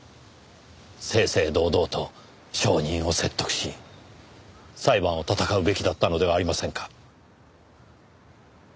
正々堂々と証人を説得し裁判を戦うべきだったのではありませんか？